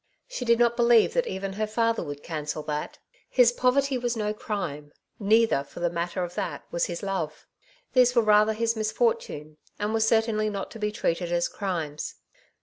She did not believe that even her father would cancel that. His poverty was no crime ; neither, for the matter of that, was his love. These were rather his misfortune, and were certainly not to be treated as crimes.